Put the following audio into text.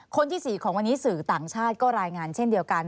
คนที่๔ของวันนี้สื่อต่างชาติก็รายงานเช่นเดียวกัน